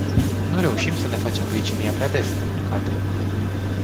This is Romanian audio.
Nu reușim să ne facem glicemia prea des, din păcate.